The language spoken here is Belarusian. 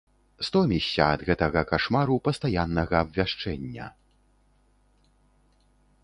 Стомішся ад гэтага кашмару пастаяннага абвяшчэння.